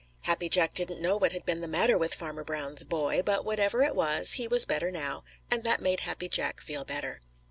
Happy Jack didn't know what had been the matter with Farmer Brown's boy, but whatever it was, he was better now, and that made Happy Jack feel better.